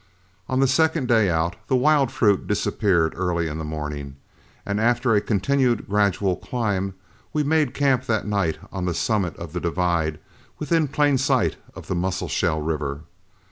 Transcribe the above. On the second day out the wild fruit disappeared early in the morning, and after a continued gradual climb, we made camp that night on the summit of the divide within plain sight of the Musselshell River.